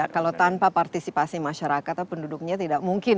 kalau tanpa partisipasi masyarakat atau penduduknya tidak mungkin